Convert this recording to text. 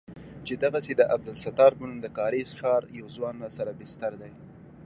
چې دغسې د عبدالستار په نوم د کارېز ښار يو ځوان راسره بستر دى.